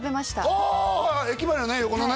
ああ駅前のね横のね